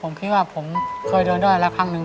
ผมคิดว่าผมเคยโดนด้อยแล้วครั้งหนึ่ง